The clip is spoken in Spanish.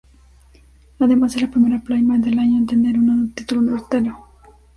Además es la primera Playmate del año en tener un título universitario.